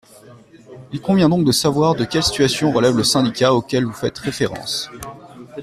Il convient donc de savoir de quelle situation relève le syndicat auquel vous faites référence.